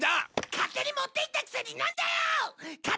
勝手に持って行ったくせになんだよーっ！